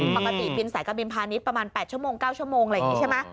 ปกติบินสายการบินพาณิชย์ประมาณ๘ชั่วโมง๙ชั่วโมงอะไรอย่างนี้ใช่ไหม